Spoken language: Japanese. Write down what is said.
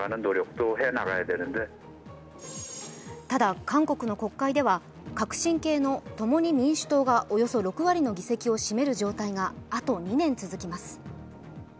ただ、韓国の国会では革新系の共に民主党がおよそ６割の議席を占める状態があと２年続きます。